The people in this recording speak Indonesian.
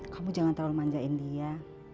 kamu jangan terlalu manjain dia